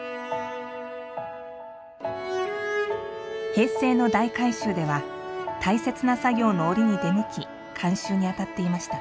平成の大改修では大切な作業の折に出向き監修に当たっていました。